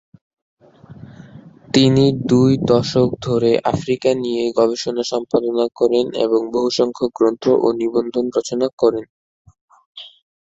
তিনি দুই দশক ধরে আফ্রিকা নিয়ে গবেষণা সম্পাদন করেন এবং বহুসংখ্যক গ্রন্থ ও নিবন্ধ রচনা করেন।